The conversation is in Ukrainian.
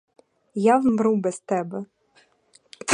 Я вмру без тебе.